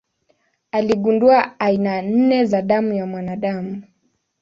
Aligundua aina nne za damu ya mwanadamu.